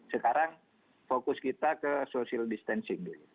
sekarang fokus kita ke social distancing dulu